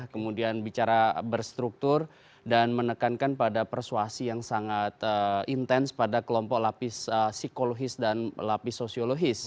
kemudian bicara berstruktur dan menekankan pada persuasi yang sangat intens pada kelompok lapis psikologis dan lapis sosiologis